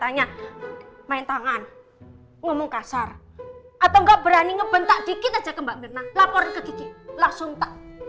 ngomong kasar atau enggak berani ngebentak dikit aja ke mbak mirna lapor ke langsung tak